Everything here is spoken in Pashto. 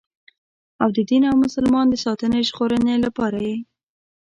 او د دین او مسلمان د ساتنې او ژغورنې لپاره یې.